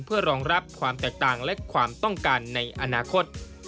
เพื่อรองรับความแตกต่างและความต้องการในอนาคต